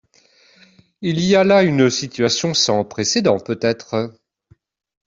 Il y a là une situation sans précèdent peut-être.